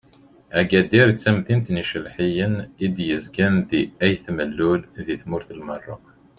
Agadir d tamdint n yicelḥiyen i d-yezgan deg At Mellul di tmurt n Merruk.